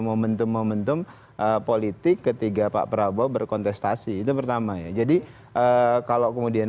momentum momentum politik ketika pak prabowo berkontestasi itu pertama ya jadi kalau kemudian